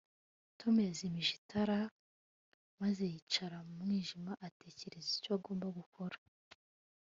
Tom yazimije itara rye maze yicara mu mwijima atekereza icyo agomba gukora